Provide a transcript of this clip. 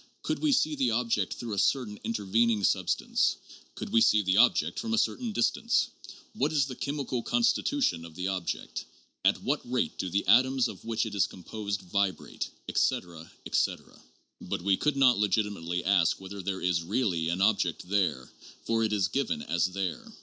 Could we see the object through a certain intervening substance ? Could we see the object from a cer tain distance? What is the chemical constitution of the object? At what rate do the atoms of which it is composed vibrate ? Etc. etc. But we could not legitimately ask whether there is "really" an object there ; for it is given as '' there.